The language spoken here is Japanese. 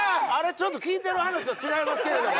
ちょっと聞いてる話と違いますけど。